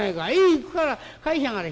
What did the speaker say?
「行くから返しやがれ。